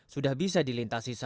sudah bisa dilintasi sepanjang jam